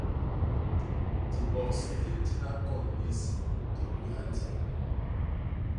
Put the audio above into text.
Dibos di ntina kon mis, di ñkwéha ndim.